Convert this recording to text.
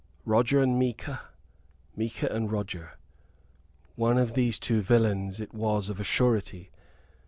"Roger and Micah Micah and Roger." One of these two villains it was of a surety!